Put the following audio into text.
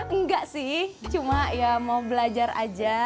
enggak sih cuma ya mau belajar aja